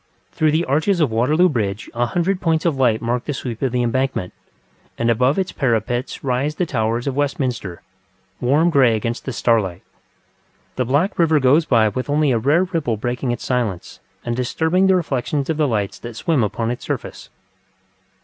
Through the arches of Waterloo Bridge a hundred points of light mark the sweep of the Embankment, and above its parapet rise the towers of Westminster, warm grey against the starlight. The black river goes by with only a rare ripple breaking its silence, and disturbing the reflections of the lights that swim upon its surface.